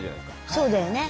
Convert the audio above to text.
そうだよね。